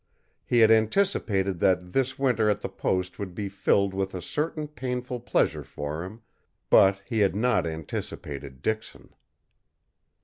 He had anticipated that this winter at the post would be filled with a certain painful pleasure for him but he had not anticipated Dixon.